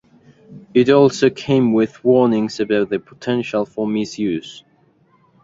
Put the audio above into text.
It also came with warnings about the potential for misuse.